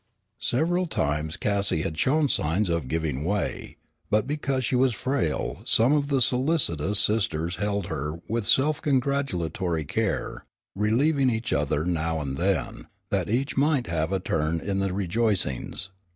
Several times Cassie had shown signs of giving way, but because she was frail some of the solicitous sisters held her with self congratulatory care, relieving each other now and then, that each might have a turn in the rejoicings.